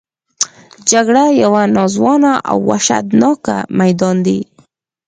جګړه یو ناځوانه او وحشتناک میدان دی